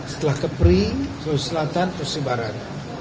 setelah kepri sulawesi selatan pesi barat